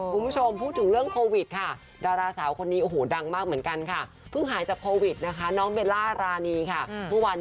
คุณผู้ชมพูดถึงเรื่องโควิดค่ะ